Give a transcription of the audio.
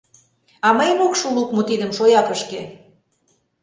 А мыйын ок шу лукмо тидым шоякышке.